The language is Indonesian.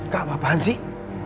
kak apaan sih